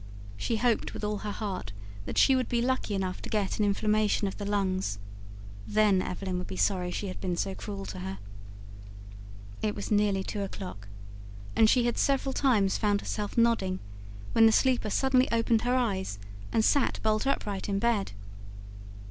She hoped with all her heart that she would be lucky enough to get an inflammation of the lungs. Then, Evelyn would be sorry she had been so cruel to her. It was nearly two o'clock, and she had several times found herself nodding, when the sleeper suddenly opened her eyes and sat bolt upright in bed.